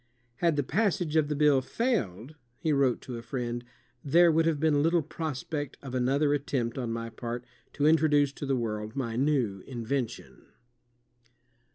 "Had the passage of the bill failed," he wrote to a friend, ''there would have been little pros pect of another attempt on my part to introduce to the world my new invention."